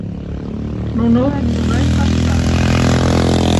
Нунылан могай паша?